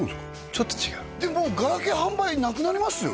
ちょっと違うでももうガラケー販売なくなりますよ？